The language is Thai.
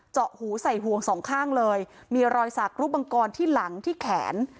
หูใส่ห่วงสองข้างเลยมีรอยสักรูปมังกรที่หลังที่แขน